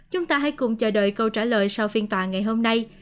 chúng ta hãy cùng chờ đợi câu trả lời sau phiên tòa ngày hôm nay